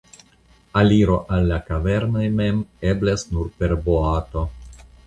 Aliro al la kavernoj mem eblas nur per boato.